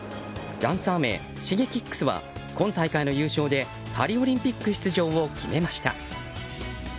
ダンサー名、Ｓｈｉｇｅｋｉｘは今大会の優勝でパリオリンピック出場を決めました。